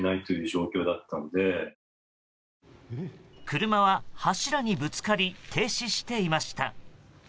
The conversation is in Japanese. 車は柱にぶつかり停止していました。